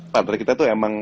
pantai kita tuh emang